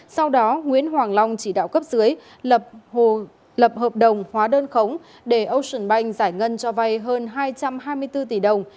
sau đó nguyễn hoàng long chỉ đạo cấp dưới lập hợp đồng hóa đơn khống để ocean bank giải ngân cho vay hơn hai trăm hai mươi bốn tỷ đồng